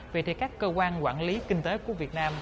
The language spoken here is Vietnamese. vậy thì các cơ quan quản lý kinh tế của việt nam